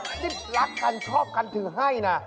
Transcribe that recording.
นี่รักกันชอบกันถือให้นะ